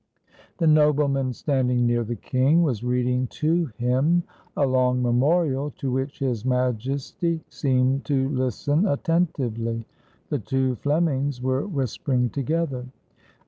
The nobleman standing near the king was reading to him a long memorial, to which his majesty seemed to listen attentively. The two Flemings were whispering together.